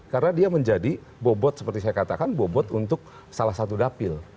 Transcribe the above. karena dia menjadi bobot seperti saya katakan bobot untuk salah satu dapil